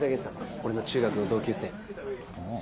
俺の中学の同級生。